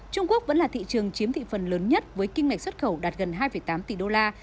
trung quốc vẫn là thị trường chiếm thị phần lớn nhất với kim ngạch xuất khẩu đạt gần hai tám tỷ đô la